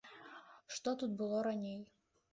Што тут было раней?